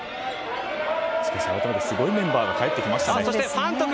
しかし改めてすごいメンバーが帰ってきましたね。